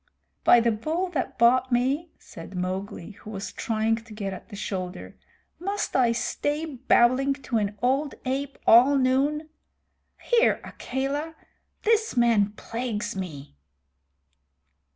"By the Bull that bought me," said Mowgli, who was trying to get at the shoulder, "must I stay babbling to an old ape all noon? Here, Akela, this man plagues me."